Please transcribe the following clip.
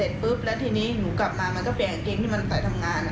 ปุ๊บแล้วทีนี้หนูกลับมามันก็เปลี่ยนกางเกงที่มันไปทำงาน